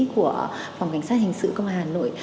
của phòng cảnh sát hình sự công an hà nội